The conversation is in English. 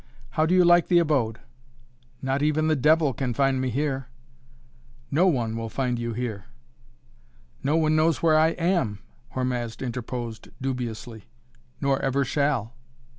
How do you like the abode?" "Not even the devil can find me here." "No one will find you here!" "No one knows where I am," Hormazd interposed dubiously. "Nor ever shall."